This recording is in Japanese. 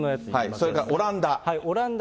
それからオランダ。